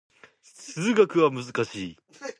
数学は難しい